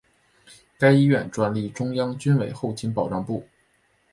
该医院转隶中央军委后勤保障部。